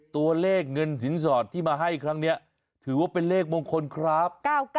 ตัวเลขเงินสินสอดที่มาให้ครั้งนี้ถือว่าเป็นเลขมงคลครับ